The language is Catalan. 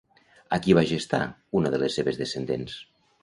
A qui va gestar una de les seves descendents?